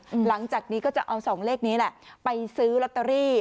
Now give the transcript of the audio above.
หลังจากนี้ก็จะเอาสองเลขนี้แหละไปซื้อลอตเตอรี่